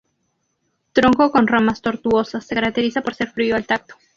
Tronco con ramas tortuosas, se caracteriza por ser frío al tacto.